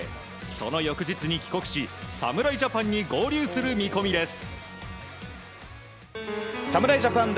その翌日に帰国し侍ジャパンに合流する見込みです。